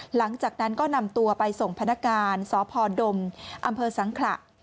หลังจากนั้นก็นำตัวไปส่งพนักการสพดมอำเภอสังขระ